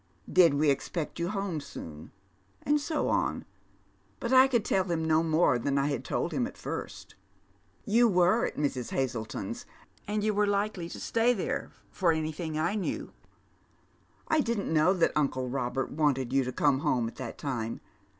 Did we expect you home soon? and so on, but I could tell him no more than I had told him at first. You were at Mrs. lla/Jeton's, tad you were likely to stay there, for anything I knyw. 1 78 Dead Meti's Shoes. didn't Know that tincle Robert wanted you to come home at that time.